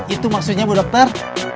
itu maksudnya bu dokter